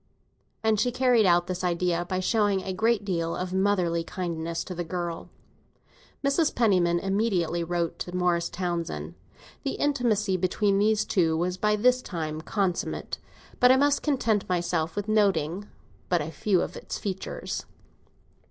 And she carried out this idea by showing a great deal of motherly kindness to the girl. Mrs. Penniman immediately wrote to Morris Townsend. The intimacy between these two was by this time consummate, but I must content myself with noting but a few of its features.